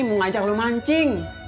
mau ngajak lo mancing